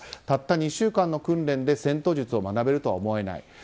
たった２週間の訓練で戦闘術を学べるとは思えない。